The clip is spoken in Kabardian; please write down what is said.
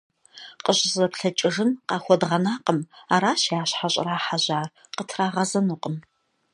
КъыщӀызэплъэкӀыжын къахуэдгъэнакъым, аращ я щхьэр щӀрахьэжьар – къытрагъэзэнукъым.